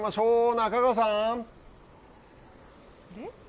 中川さん。